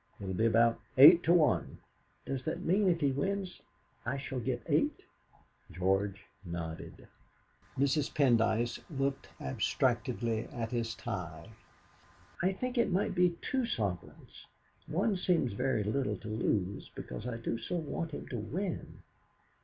It'll be about eight to one." "Does that mean that if he wins I shall get eight?" George nodded. Mrs. Pendyce looked abstractedly at his tie. "I think it might be two sovereigns; one seems very little to lose, because I do so want him to win.